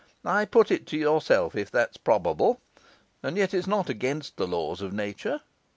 I put it to yourself if that's probable; and yet it's not against the laws of nature.